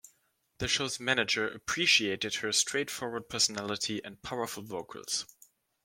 The show's manager appreciated her straightforward personality and powerful vocals.